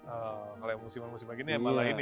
oh kalau musim musim begini ya malah ini